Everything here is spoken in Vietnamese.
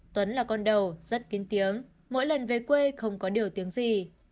tuấn là con đầu rất kín tiếng mỗi lần về quê không có điều tiếng gì